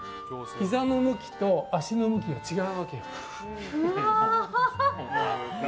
ひざの向きと足の向きが違うわけ。